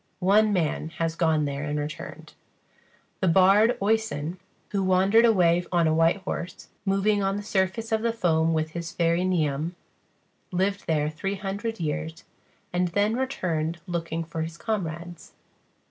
One man has gone there and returned. The bard, Oisen, who wandered away on a white horse, moving on the surface of the foam with his fairy Niamh, lived there three hundred years, and then returned looking for his comrades.